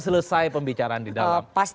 selesai pembicaraan di dalam